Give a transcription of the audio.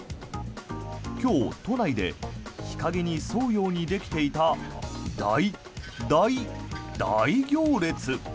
今日、都内で日陰に沿うようにできていた大、大、大行列。